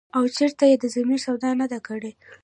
او چرته ئې د ضمير سودا نه ده کړې ۔”